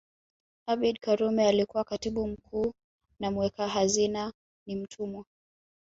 Abeid Karume alikuwa Katibu mkuu na muweka hazina ni Mtumwa